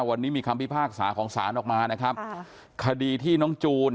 วันนี้มีคำพิพากษาของศาลออกมานะครับค่ะคดีที่น้องจูน